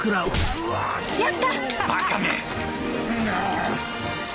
うわっ！